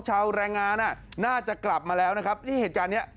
ชาวแรงงานอ่ะน่าจะกลับมาแล้วนะครับนี่เหตุการณ์เนี้ย